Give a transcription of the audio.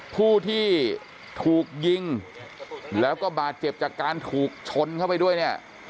ผู้ที่ถูกยิงแล้วก็บาดเจ็บจากการถูกชนเข้าไปด้วยเนี่ย